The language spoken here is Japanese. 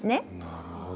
なるほど。